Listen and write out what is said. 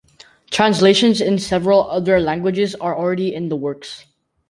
Translations in several other languages are already in the works.